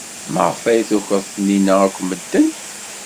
Maɣef ay tukeḍ Taninna akk medden?